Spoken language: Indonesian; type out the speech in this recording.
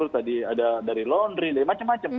tadi ada dari laundry dari macam macam